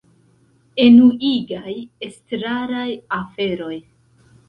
Enuigaj estraraj aferoj